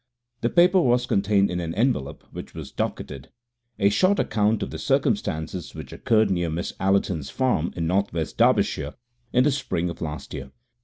The paper was contained in an envelope, which was docketed, "A Short Account of the Circumstances which occurred near Miss Allerton's Farm in North West Derbyshire in the Spring of Last Year."